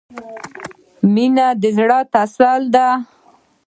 • مینه د زړۀ تسل دی.